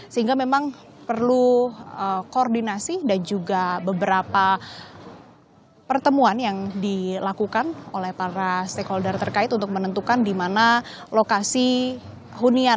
sehingga memang perlu koordinasi dan juga beberapa pertemuan yang dilakukan oleh para stakeholder terkait untuk menentukan di mana lokasi hunian